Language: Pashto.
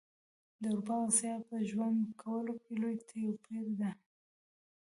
د اروپا او اسیا په ژوند کولو کي لوي توپیر ده